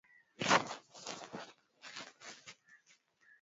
Dhibiti mbung'o kwa kutumia mitego dawa za kuua wadudu viuatilifu na kadhalika